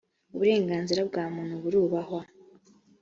uburenganzira bwa muntu burubahwa.